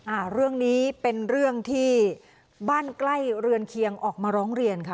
อ่าเรื่องนี้เป็นเรื่องที่บ้านใกล้เรือนเคียงออกมาร้องเรียนค่ะ